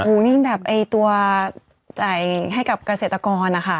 อุ้นี่แบบตัวจ่ายให้กับเกษตรกรนะคะ